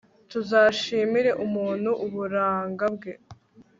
ntuzashimire umuntu uburanga bwe